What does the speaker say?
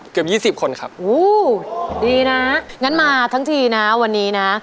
เกือบยี่สิบคนครับดีนะงั้นมาทั้งทีนะวันนี้นะ